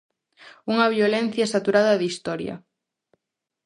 Unha violencia saturada de historia.